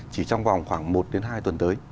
chỉ trong vòng khoảng một đến hai tuần tới